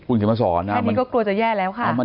คุณเขียนมาสอนนะแค่นี้ก็กลัวจะแย่แล้วค่ะ